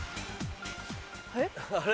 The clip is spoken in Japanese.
あれ？